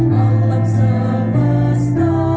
membuang dari sisi masa